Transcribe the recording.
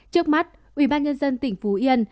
trước mắt ubnd tỉnh phú yên